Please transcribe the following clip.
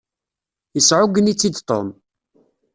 Yesεuggen-itt-id Tom.